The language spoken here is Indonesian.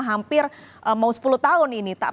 hampir mau sepuluh tahun ini